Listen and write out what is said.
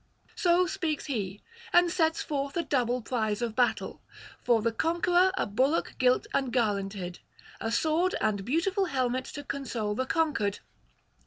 So speaks he, and sets forth a double prize of battle; for the conqueror a bullock gilt and garlanded; a sword and beautiful helmet to console the conquered.